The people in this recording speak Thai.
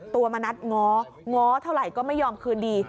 ตัวมะนัดง้อง้อเท่าไรก็ไม่ยอมคืนดี